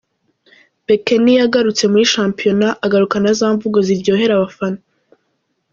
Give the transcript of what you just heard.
Bekeni yagarutse muri Shampiona, agarukana za mvugo ziryohera abafana.